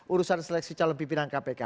urusan seleksi calon pimpinan kpk